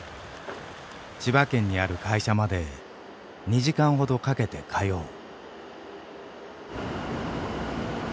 千葉県にある会社まで２時間ほどかけて通う。